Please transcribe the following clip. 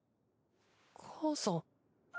母さん？